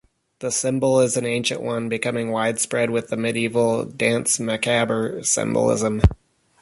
The symbol is an ancient one, becoming widespread with the medieval "Danse Macabre" symbolism.